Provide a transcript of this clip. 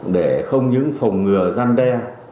để không những phòng ngừa gian đe